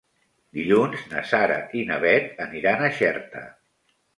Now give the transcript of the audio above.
Dilluns na Sara i na Bet aniran a Xerta.